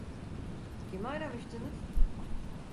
Kimi aramıştınız?